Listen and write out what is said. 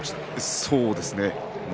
そうですね。